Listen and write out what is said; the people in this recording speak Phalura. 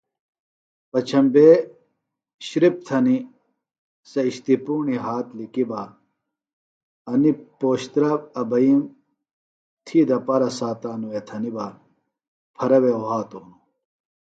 پچھمبے شِرپ تھنیۡ سےۡ اِشتیۡ پُوݨیۡ ہات لِکیۡ بہ انیۡ پوشترہ ابئیم تھی دپارہ ساتانوۡ وے تھنیۡ بہ پھرہ وے وھاتوۡ ہِنوۡ